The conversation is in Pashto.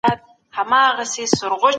دولت مخکي پلانونه جوړ کړي وو.